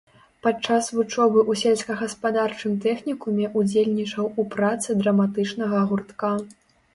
Падчас вучобы ў сельскагаспадарчым тэхнікуме ўдзельнічаў у працы драматычнага гуртка.